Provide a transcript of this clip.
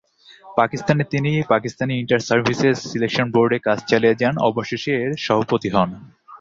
পাকিস্তানে তিনি Pakistani inter services selection বোর্ডে কাজ চালিয়ে যান, অবশেষে এর সভাপতি হন।